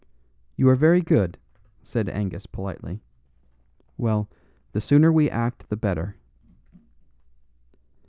"You are very good," said Angus politely. "Well, the sooner we act the better."